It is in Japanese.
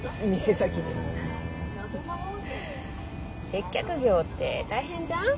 接客業って大変じゃん？